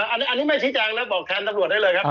อันนี้ไม่พิจารณ์นะบอกแทนตรวจให้เลยครับ